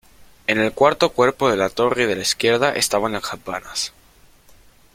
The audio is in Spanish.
En el cuarto cuerpo de la torre de la izquierda estaban las campanas.